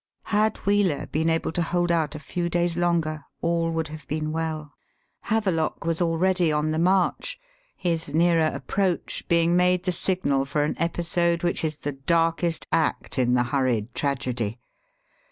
Had Wheeler been able to hold out a few days longer all would have been well. Have lock was already on the march, his nearer approach being made the signal for an episode which is the darkest act in the hurried tragedy.